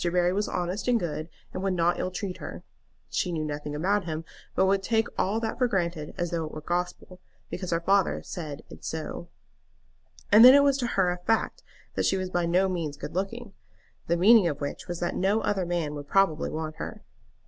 Barry was honest and good, and would not ill treat her. She knew nothing about him, but would take all that for granted as though it were gospel, because her father had said so. And then it was to her a fact that she was by no means good looking, the meaning of which was that no other man would probably want her.